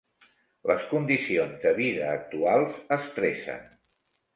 Les condicions de vida actuals estressen.